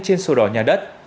trên sổ đỏ nhà đất